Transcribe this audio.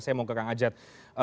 saya mau ke kang ajat